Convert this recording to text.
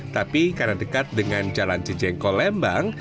tapi karena dekat dengan jalan cijengkol lembang